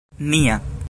nia